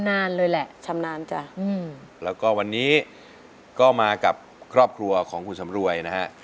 ฝึกมาเรียบร้อยหมดทุกอย่าง